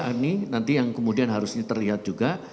ini nanti yang kemudian harusnya terlihat juga